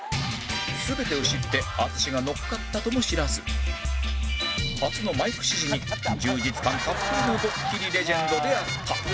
全てを知って淳が乗っかったとも知らず初のマイク指示に充実感たっぷりのドッキリレジェンドであった